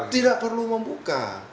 tidak perlu membuka